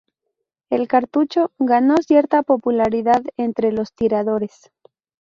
El cartucho ganó cierta popularidad entre los tiradores.